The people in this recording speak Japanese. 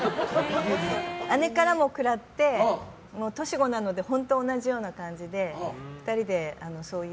姉からもくらって、年子なので本当に同じような感じで２人でそういう。